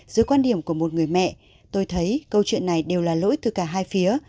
dưới quan điểm của một người mẹ tôi thấy câu chuyện này đều là lỗi từ cả hai phía